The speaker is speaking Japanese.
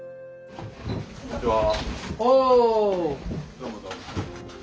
どうもどうも。